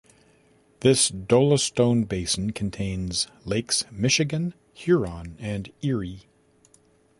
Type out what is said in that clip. This dolostone basin contains Lakes Michigan, Huron, and Erie.